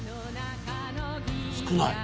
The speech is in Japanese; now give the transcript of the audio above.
少ない。